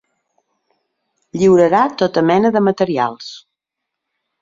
Lliurarà tota mena de materials.